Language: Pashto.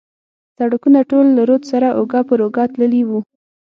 سړکونه ټول له رود سره اوږه پر اوږه تللي و.